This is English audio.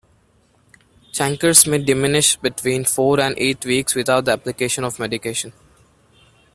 Chancres may diminish between four and eight weeks without the application of medication.